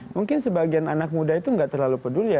mungkin sebagian anak muda itu nggak terlalu peduli